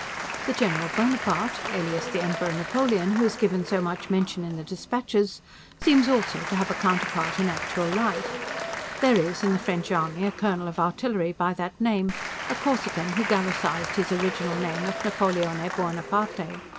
The General Bonaparte, alias the Emperor Napoleon, who is given so much mention in the dispatches, seems also to have a counterpart in actual life; there is, in the French army, a Colonel of Artillery by that name, a Corsican who Gallicized his original name of Napolione Buonaparte.